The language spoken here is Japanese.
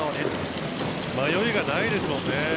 迷いがないですもんね。